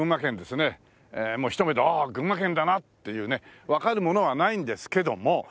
もうひと目で「ああ群馬県だな」っていうねわかるものはないんですけども。